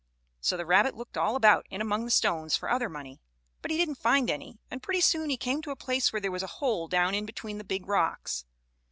So the rabbit looked all about in among the stones for other money. But he didn't find any, and pretty soon he came to a place where there was a hole down in between the big rocks.